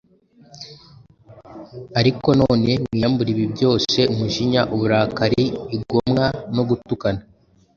Ariko none mwiyambure ibi byose, umujinya, uburakari, igomwa, no gutukana,